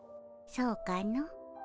そうかの？